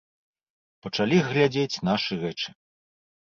Пачалі глядзець нашы рэчы.